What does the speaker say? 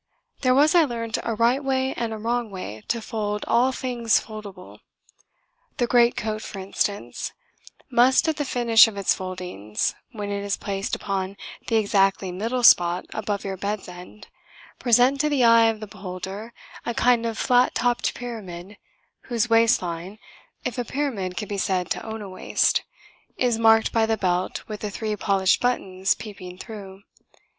There was, I learnt, a right way and a wrong way to fold all things foldable. The great coat, for instance, must at the finish of its foldings, when it is placed upon the exactly middle spot above your bed's end, present to the eye of the beholder a kind of flat topped pyramid whose waist line (if a pyramid can be said to own a waist) is marked by the belt with the three polished buttons peeping through.